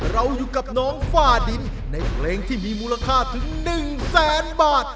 เราอยู่กับน้องฝ้าดินในเพลงที่มีมูลค่าถึง๑แสนบาท